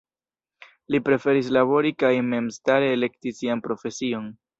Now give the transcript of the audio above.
Li preferis labori kaj memstare elekti sian profesion.